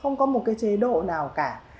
không có một cái chế độ nào cả